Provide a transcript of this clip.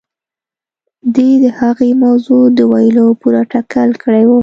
دې د هغې موضوع د ويلو پوره تکل کړی و.